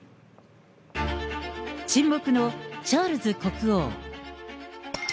沈黙のチャールズ国王。